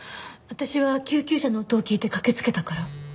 私は救急車の音を聞いて駆けつけたから。